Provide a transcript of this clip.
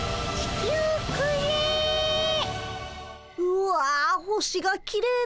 うわ星がきれいだな。